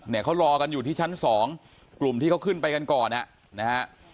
เขารอกันอยู่ที่ชั้นสองกลุ่มที่เขาขึ้นไปกันก่อนนะฮะ